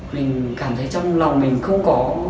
mình cảm thấy trong lòng mình không có